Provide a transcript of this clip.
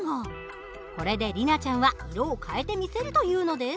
これで里奈ちゃんは色を変えてみせるというのです。